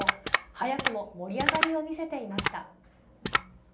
早くも盛り上がりを見せていました。